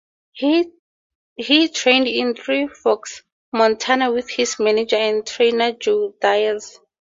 He trained in Three Forks, Montana with his manager and trainer Joe Diaz.